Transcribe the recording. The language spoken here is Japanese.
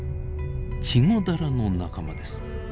チゴダラの仲間です。